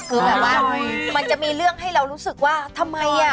คือแบบว่ามันจะมีเรื่องให้เรารู้สึกว่าทำไมอ่ะ